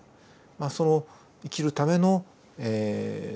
まあその生きるための装置。